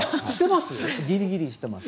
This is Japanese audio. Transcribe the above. ギリギリしてます。